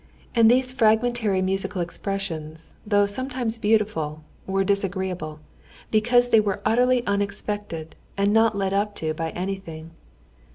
And these fragmentary musical expressions, though sometimes beautiful, were disagreeable, because they were utterly unexpected and not led up to by anything.